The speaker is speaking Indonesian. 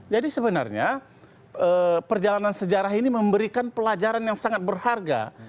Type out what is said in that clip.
jadi sebenarnya perjalanan sejarah ini memberikan pelajaran yang sangat berharga